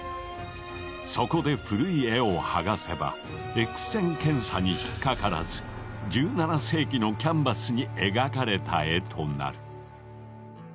そこで古い絵を剥がせばＸ線検査に引っ掛からず１７世紀のキャンバスに描かれた絵となる。